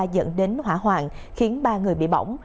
dẫn đến hỏa hoạn khiến ba người bị bỏng